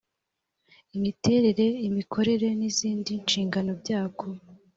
imiterere imikorere n izindi nshingano byako